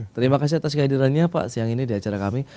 terima kasih atas kehadirannya pak siang ini di acara kami